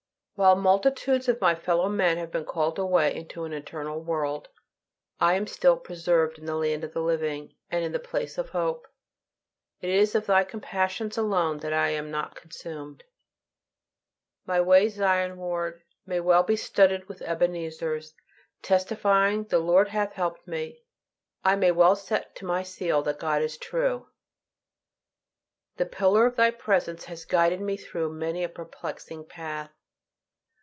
While multitudes of my fellow men have been called away into an eternal world, I am still preserved in the land of the living, and in the place of hope. It is of Thy compassions alone that I am not consumed. My way Zionward may well be studded with Ebenezers, testifying "the Lord hath helped me." I may well set to my seal that God is true. The pillar of Thy presence has guided me through many a perplexing path.